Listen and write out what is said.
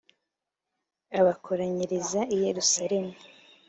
abakoranyiriza i yerusalemu .